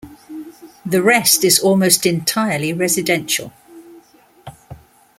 The rest is almost entirely residential.